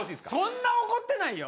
そんな怒ってないよ。